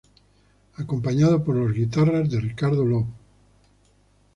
Acompañado por las guitarras de Ricardo Lew.